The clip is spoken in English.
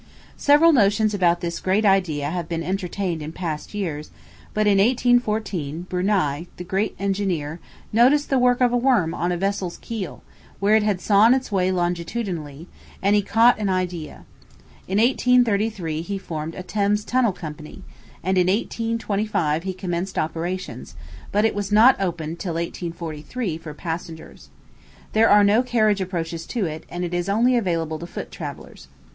Several notions about this great idea have been entertained in past years; but in 1814, Brunei, the great engineer, noticed the work of a worm on a vessel's keel, where it had sawn its way longitudinally, and he caught an idea. In 1833, he formed a "Thames Tunnel Company," and in 1825 he commenced operations, but it was not opened till 1843 for passengers. There are no carriage approaches to it, and it is only available to foot travellers.